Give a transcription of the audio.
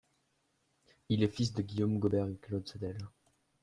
Il est fils de Guillaume Gobert et Claude Sadel.